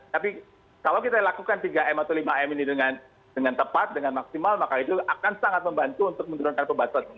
tapi kalau kita lakukan tiga m atau lima m ini dengan tepat dengan maksimal maka itu akan sangat membantu untuk menurunkan pebatasan